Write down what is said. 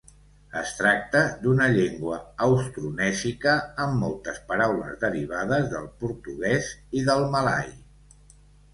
Es tracta d'una llengua austronèsica amb moltes paraules derivades del portuguès i del malai.